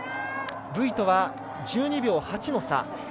ブイとは１２秒８の差。